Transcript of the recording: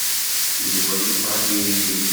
Yuba yebɣa tiririt.